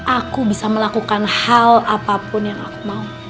aku bisa melakukan hal apapun yang aku mau